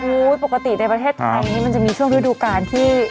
โอ้โหปกติในประเทศไทยมันจะมีช่วงฤดูการที่